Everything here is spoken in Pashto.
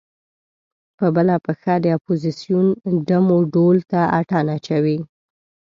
په بله پښه د اپوزیسون ډم و ډول ته اتڼ اچوي.